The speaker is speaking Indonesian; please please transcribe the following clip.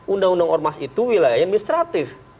undang undang ormas itu wilayah administratif